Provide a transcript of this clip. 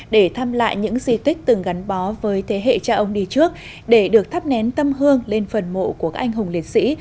để thăm lại những di tích từng gắn bó với thế hệ cha ông đi trước để được thắp nén tâm hương lên phần mộ của các anh hùng liệt sĩ